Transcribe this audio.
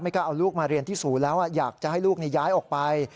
กล้าเอาลูกมาเรียนที่ศูนย์แล้วอยากจะให้ลูกย้ายออกไป